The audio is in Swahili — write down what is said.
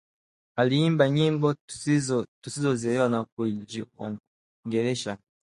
Aliimba nyimbo tusizozielewa na kujiongelesha